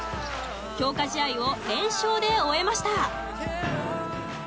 強化試合を連勝で終えました。